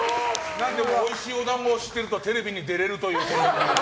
おいしいお団子を知っているとテレビに出れるということで。